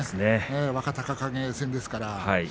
若隆景戦ですから。